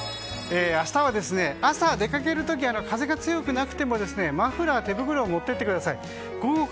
明日は朝出かける時風が強くなくてもマフラー、手袋を持っていってください。